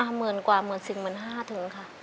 หมื่นกว่าหมื่นสิบหมื่นห้าถึงค่ะ